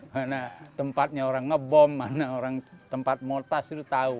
mana tempatnya orang ngebom mana tempat motos itu tahu